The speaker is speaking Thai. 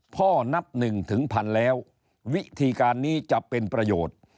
นับหนึ่งถึงพันแล้ววิธีการนี้จะเป็นประโยชน์